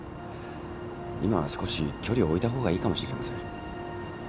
今は少し距離を置いた方がいいかもしれません。